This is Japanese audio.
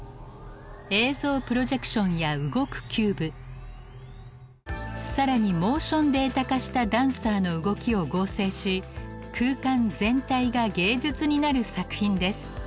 映像プロジェクションや動くキューブさらにモーションデータ化したダンサーの動きを合成し空間全体が芸術になる作品です。